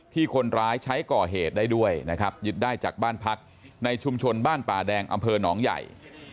คนร้ายใช้ก่อเหตุได้ด้วยนะครับยึดได้จากบ้านพักในชุมชนบ้านป่าแดงอำเภอหนองใหญ่